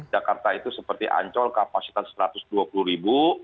jakarta itu seperti ancol kapasitas satu ratus dua puluh ribu